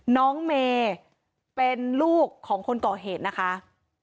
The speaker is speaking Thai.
น้องเมย์เป็นลูกของคนก่อเหตุนะคะ